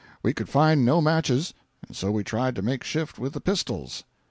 We could find no matches, and so we tried to make shift with the pistols.